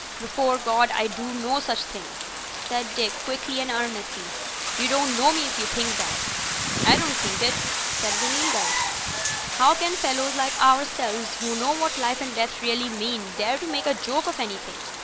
"Before God I do no such thing," said Dick, quickly and earnestly. "You don't know me if you think that." I don't think it," said the Nilghai. "How can fellows like ourselves, who know what life and death really mean, dare to make a joke of anything?